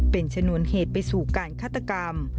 เป็นชนวนเหตุไปสู่การฆาตกรรม